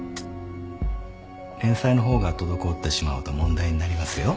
連載の方が滞ってしまうと問題になりますよ。